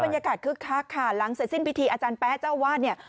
โอ้บรรยากาศคือคลักษณ์ค่ะหลังเสร็จสิ้นพิธีอาจารย์แป๊ะเจ้าอาวาสเนี่ย